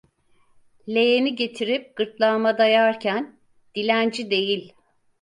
Leğeni getirip gırtlağıma dayarken: "Dilenci değil!"